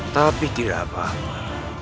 tapi tidak apa apa